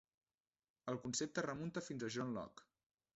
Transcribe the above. El concepte remunta fins John Locke.